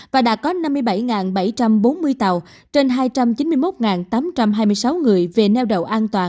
và đã có năm mươi bảy bảy trăm bốn mươi tàu trên hai trăm chín mươi một tám trăm hai mươi sáu người về nêu đầu